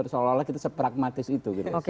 seolah olah kita sepragmatis itu gitu